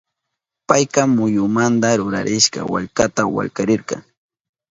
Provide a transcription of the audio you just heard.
Payka muyukunamanta rurarishka wallkata wallkarirka.